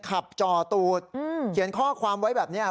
ขับจ่อตูดอืมเขียนข้อความไว้แบบเนี่ย